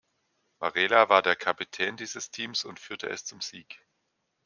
Varela war der Kapitän dieses Teams und führte es zum Sieg.